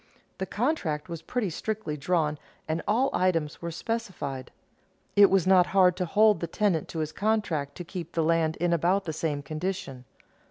The contract was pretty strictly drawn and all items were specified. It was not hard to hold the tenant to his contract to keep the land in about the same condition.